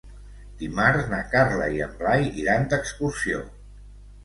Dimarts na Carla i en Blai iran d'excursió.